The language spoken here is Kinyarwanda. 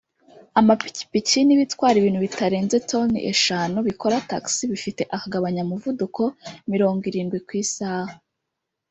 amapikipiki n’ibitwara ibintu bitarenze toni eshanu bikora taxi bifite akagabanya muvuduko mirongo irindwi ku isaha